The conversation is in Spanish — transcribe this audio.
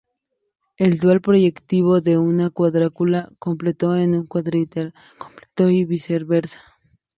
El dual proyectivo de un cuadrángulo completo es un cuadrilátero completo, y viceversa.